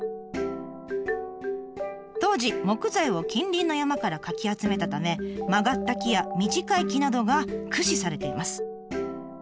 当時木材を近隣の山からかき集めたため曲がった木や短い木などが駆使されています。